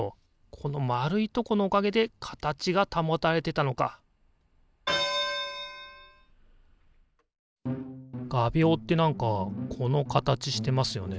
この丸いとこのおかげで形が保たれてたのかがびょうって何かこの形してますよね。